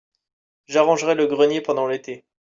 j'arrangerai le grenier pendant l'été.